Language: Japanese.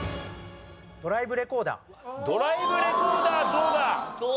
ドライブレコーダーどうだ？